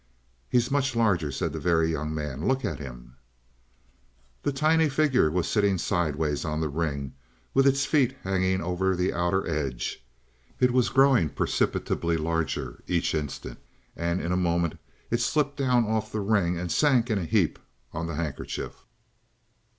"He's much larger," said the Very Young Man; "look at him!" The tiny figure was sitting sideways on the ring, with its feet hanging over the outer edge. It was growing perceptibly larger each instant, and in a moment it slipped down off the ring and sank in a heap on the handkerchief.